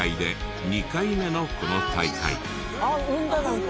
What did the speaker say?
あっ産んだなんか。